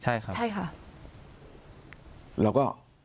ใช่ค่ะ